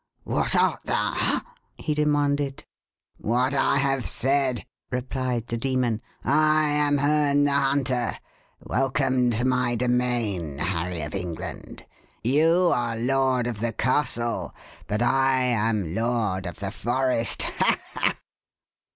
"What art thou ha?" he demanded. "What I have said," replied the demon. "I am Herne the Hunter. Welcome to my domain, Harry of England. You are lord of the castle, but I am lord of the forest. Ha! ha!"